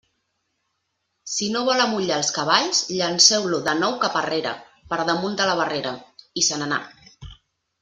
«Si no vol amollar els cavalls, llanceu-lo de nou cap arrere per damunt de la barrera»; i se n'anà.